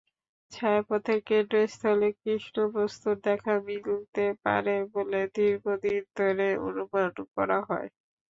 ছায়াপথের কেন্দ্রস্থলে কৃষ্ণবস্তুর দেখা মিলতে পারে বলে দীর্ঘদিন ধরে অনুমান করা হয়।